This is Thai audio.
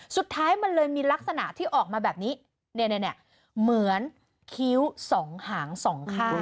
สุดท้ายมันเลยมีลักษณะที่ออกมาแบบนี้เหมือนคิ้ว๒หาง๒ข้าง